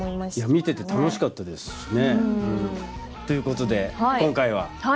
見てて楽しかったですしね。ということで今回は。